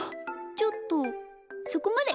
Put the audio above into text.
ちょっとそこまで。